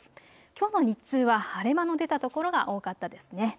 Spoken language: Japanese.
きょうの日中は晴れ間の出たところが多かったですね。